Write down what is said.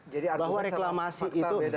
jadi argumen sama fakta beda gitu